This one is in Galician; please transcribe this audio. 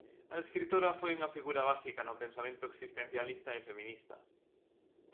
A escritora foi unha figura básica no pensamento existencialista e feminista.